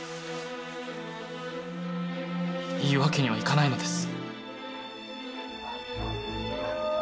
言うわけにはいかないのです。